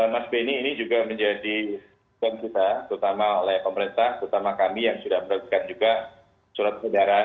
mas beni ini juga menjadi kontribusi terutama oleh pemerintah terutama kami yang sudah meragukan juga surat kejaran